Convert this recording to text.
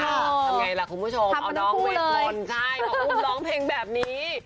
ทำไงล่ะคุณผู้ชมเอาน้องเวทมนต์ใช่มาอุ้มร้องเพลงแบบนี้